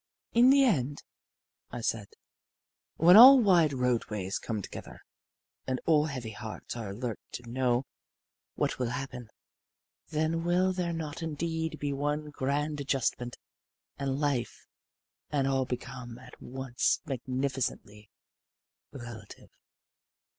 "In the end," I said, "when all wide roadways come together, and all heavy hearts are alert to know what will happen, then will there not indeed be one grand adjustment, and life and all become at once magnificently relative?"